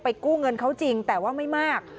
กู้เงินเขาจริงแต่ว่าไม่มาก